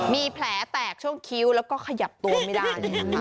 มีแผลแตกช่วงคิ้วและขยับตัวไม่ได้